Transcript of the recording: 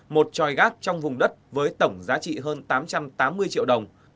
một tròi gác trong vùng đất với tổng giá trị hơn tám trăm tám mươi triệu đồng